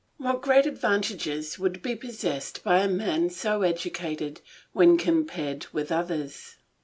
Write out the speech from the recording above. What great advantages would be possessed by a man so educated, when compared with others.